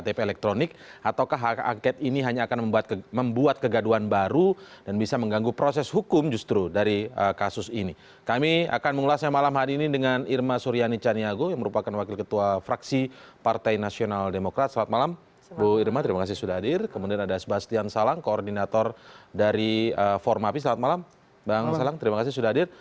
terima kasih sudah hadir